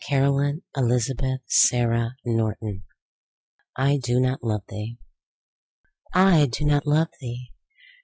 Caroline Elizabeth Sarah Norton. 1808–1876 692. I do not love Thee I DO not love thee!